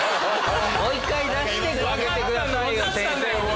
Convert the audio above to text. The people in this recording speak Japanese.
もう一回出してくださいよ先生に。